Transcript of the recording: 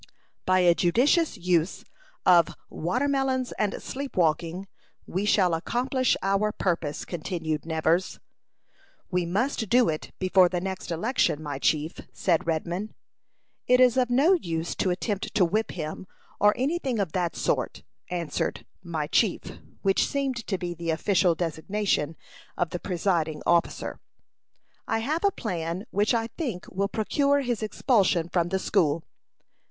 "By a judicious use of watermelons and sleep walking, we shall accomplish our purpose," continued Nevers. "We must do it before the next election, my chief," said Redman. "It is of no use to attempt to whip him, or any thing of that sort," answered "my chief," which seemed to be the official designation of the presiding officer. "I have a plan which I think will procure his expulsion from the school."